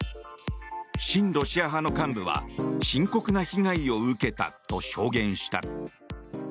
親ロシア派の幹部は深刻な被害を受けたと証言した。